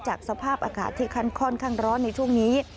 สภาพอากาศที่ค่อนข้างร้อนในช่วงนี้